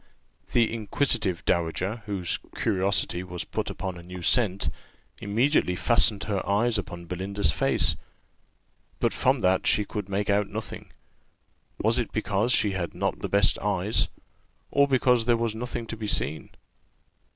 The inquisitive dowager, whose curiosity was put upon a new scent, immediately fastened her eyes upon Belinda's face; but from that she could make out nothing. Was it because she had not the best eyes, or because there was nothing to be seen?